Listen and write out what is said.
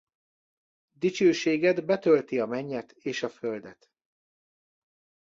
Dicsőséged betölti a mennyet és a földet.